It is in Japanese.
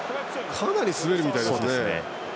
かなり滑るみたいですね。